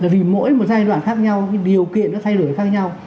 vì mỗi một giai đoạn khác nhau điều kiện nó thay đổi nó khác nhau